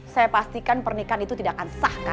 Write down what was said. saya pastikan pernikahan itu tidak akan sah